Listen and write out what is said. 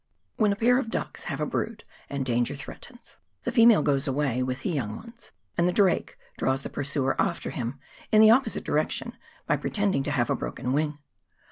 "When a pair of ducks have a brood and danger threatens, the female goes away, with the young ones, and the drake draws the pursuer after him, in the opposite direction, by pre tending to have a broken wing.